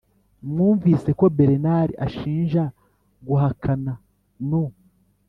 mwumvise ko bernard ashinja guhakana no